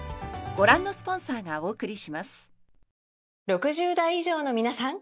６０代以上のみなさん！